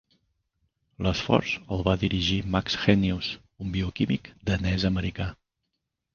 L'esforç el va dirigir Max Henius, un bioquímic danès-americà.